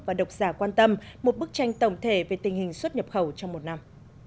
và độc giả quan tâm một bức tranh tổng thể về tình hình xuất nhập khẩu trong một năm